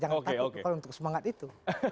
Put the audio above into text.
jangan takut kalau untuk semangat itu